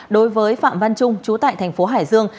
đối với phạm văn trung chú tại tp hcm